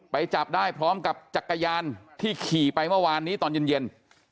จับได้พร้อมกับจักรยานที่ขี่ไปเมื่อวานนี้ตอนเย็น